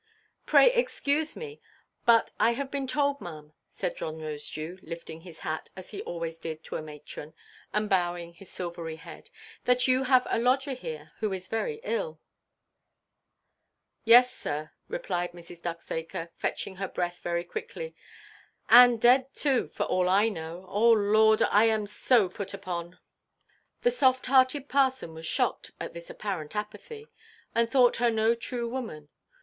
"Pray excuse me, but I have been told, maʼam," said John Rosedew, lifting his hat—as he always did to a matron—and bowing his silvery head, "that you have a lodger here who is very ill." "Yes, sir," replied Mrs. Ducksacre, fetching her breath very quickly, "and dead, too, for all I know. Oh Lord, I am so put upon!" The soft–hearted parson was shocked at this apparent apathy; and thought her no true woman.